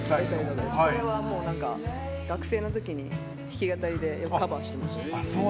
これは学生のときに弾き語りでよくカバーしてました。